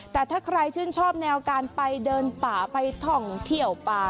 แต่ถ้าใครชื่นชอบแนวการไปเดินป่าไปท่องเที่ยวป่า